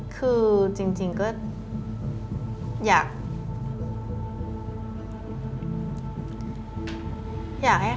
คือจริงก็อยาก